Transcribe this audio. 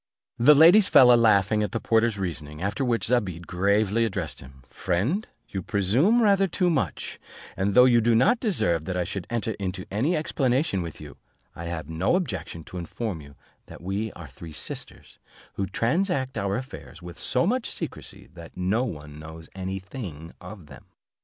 The ladies fell a laughing at the porter's reasoning; after which Zobeide gravely addressed him, "Friend, you presume rather too much; and though you do not deserve that I should enter into any explanation with you, I have no objection to inform you that we are three sisters, who transact our affairs with so much secrecy that no one knows any thing of them.